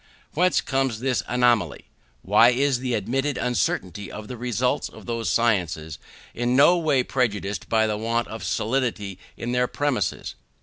Whence comes this anomaly? Why is the admitted certainty of the results of those sciences in no way prejudiced by the want of solidity in their premises?